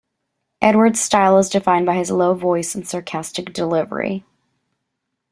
Edwards' style is defined by his low voice and sarcastic delivery.